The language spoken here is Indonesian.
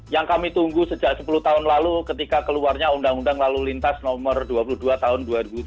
yang kami tunggu sejak sepuluh tahun lalu ketika keluarnya undang undang lalu lintas nomor dua puluh dua tahun dua ribu sembilan